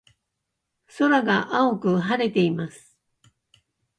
空が青く晴れています。